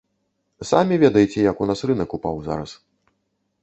Самі ведаеце, як у нас рынак упаў зараз.